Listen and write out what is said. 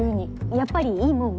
やっぱりいいもん？